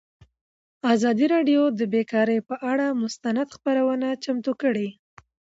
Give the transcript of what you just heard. ازادي راډیو د بیکاري پر اړه مستند خپرونه چمتو کړې.